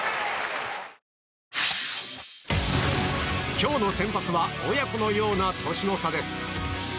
今日の先発は親子のような年の差です。